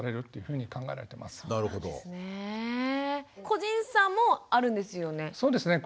個人差もあるんですよね。